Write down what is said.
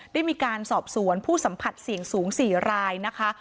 ได้มีการสอบสวนผู้สัมผัสเสี่ยงสูง๔รายนะคะ